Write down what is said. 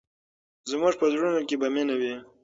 زموږ په زړونو کې به مینه وي.